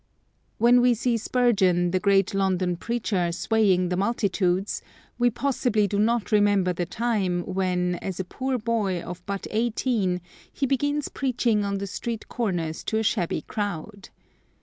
"When we see Spurgeon, the great London preacher, swaying the multitudes, we possibly do not remember the time when, as a poor boy of but eighteen, he begins preaching on the street corners to a shabby crowd.